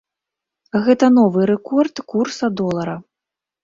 Гэта новы рэкорд курса долара.